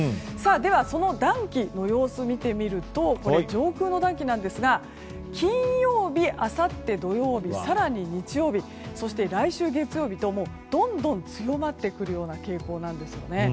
では、その暖気の様子を見てみると金曜日、あさって土曜日更に日曜日そして、来週月曜日とどんどん強まってくるような傾向なんですね。